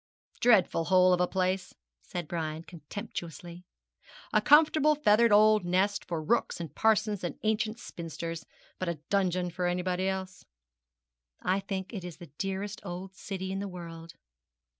'Dreadful hole of a place,' said Brian, contemptuously; 'a comfortably feathered old nest for rooks and parsons and ancient spinsters, but a dungeon for anybody else.' 'I think it is the dearest old city in the world.'